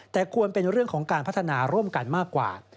แต่ควรเป็นเรื่องของการพัฒนาร่วมกันมากกว่า